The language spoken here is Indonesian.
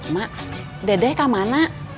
mak dede kemana